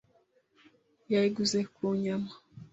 Yayiguze ku nyama.